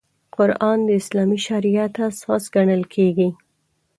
قران د اسلامي شریعت اساس ګڼل کېږي.